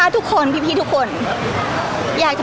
พี่ตอบได้แค่นี้จริงค่ะ